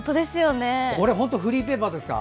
本当にフリーペーパーですか。